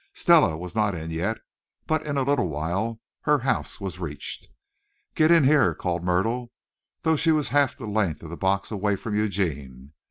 Stella was not in yet, but in a little while her house was reached. "Get in here," called Myrtle, though she was half the length of the box away from Eugene.